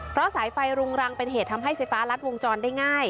เพราะสายไฟรุงรังเป็นเหตุทำให้ไฟฟ้ารัดวงจรได้ง่าย